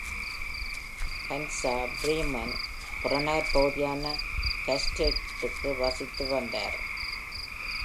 Hansa, Bremen புறநகர்ப் பகுதியான Hastedt இல் வசித்து வந்தார்.